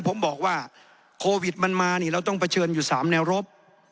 ผมบอกว่าโควิดมันมานี่เราต้องเผชิญอยู่๓แนวรบ